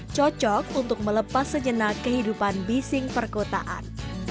cocok untuk melepas sejenak kehidupan bising perkotaan